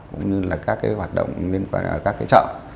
cũng như là các cái hoạt động liên quan đến các cái chợ